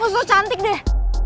lo cantik deh